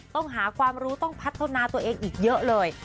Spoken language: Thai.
ต้องหาความรู้ต้องพัฒนาตัวเองอีกเยอะเลย